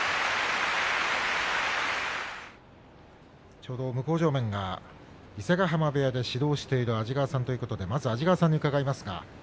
ちょうど向正面が伊勢ヶ濱部屋で指導している安治川さんということでまずは安治川さんに伺います。